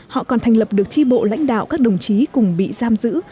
họ còn thành lập được tri bộ lãnh đạo các đồng chí cùng bị giam giữ